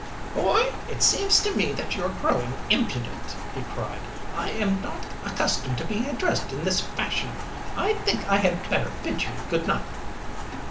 "Boy, it seems to me that you are growing impudent!" he cried. "I am not accustomed to being addressed in this fashion. I think I had better bid you good night."